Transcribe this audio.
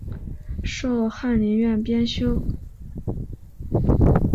授翰林院编修。